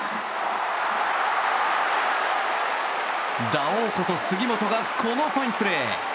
ラオウこと杉本がこのファインプレー！